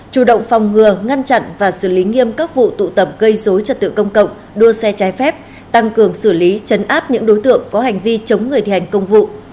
chủ động phòng ngừa ngăn chặn và xử lý nghiêm các vụ tụ tập gây dối trật tự công cộng đua xe trái phép tăng cường xử lý chấn áp những đối tượng có hành vi chống người thi hành công vụ